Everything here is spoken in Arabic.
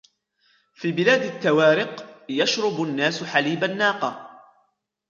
في بلاد التوارق ، يشرب الناس حليب الناقة.